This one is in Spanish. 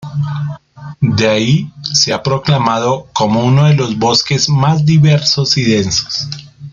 De ahí, se ha proclamado como uno de los bosques más diversos y densos.